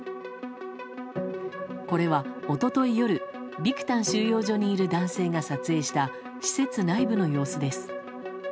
これは、一昨日夜ビクタン収容所にいる男性が撮影した施設内部の様子です。